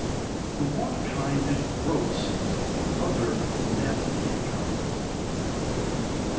The one kind is gross, the other net income.